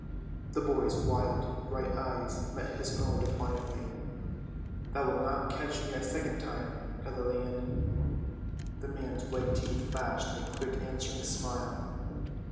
The boy's wild, bright eyes met his own defiantly. "Thou'lt not catch me a second time, Galilean." The man's white teeth flashed in a quick answering smile.